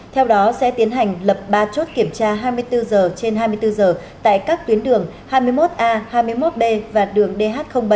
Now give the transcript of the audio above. theo đó sẽ tiến hành lập ba chốt kiểm tra hai mươi bốn giờ trên hai mươi bốn giờ tại các tuyến đường hai mươi một a hai mươi một b và đường dh bảy